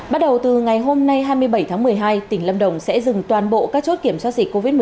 bắt đầu từ ngày hôm nay hai mươi bảy tháng một mươi hai tỉnh lâm đồng sẽ dừng toàn bộ các chốt kiểm soát dịch covid một mươi chín